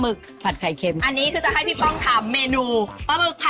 อยู่ที่เป็นหนึ่งในไฮไลท์ของเมนูนี้นะคะ